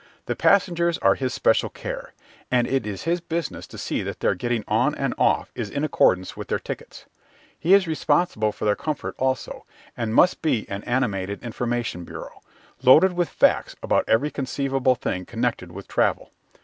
The passengers are his special care, and it is his business to see that their getting on and off is in accordance with their tickets. He is responsible for their comfort also, and must be an animated information bureau, loaded with facts about every conceivable thing connected with travel.